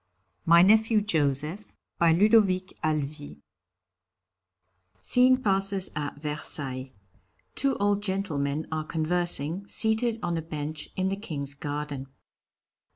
MY NEPHEW JOSEPH BY LUDOVIC HALEVY (_Scene passes at Versailles; two old gentlemen are conversing, seated on a bench in the King's garden.